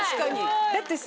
だってさ